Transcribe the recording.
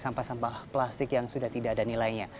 sampah sampah plastik yang sudah tidak ada nilainya